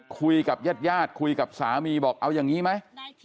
คุยกับญาติญาติคุยกับสามีบอกเอาอย่างนี้ไหม